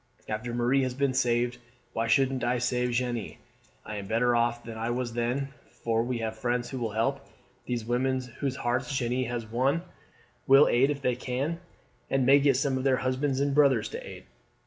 After Marie has been saved, why shouldn't I save my Jeanne? I am better off than I was then, for we have friends who will help. These women whose hearts Jeanne has won will aid if they can, and may get some of their husbands and brothers to aid.